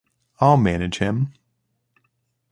I'll manage him.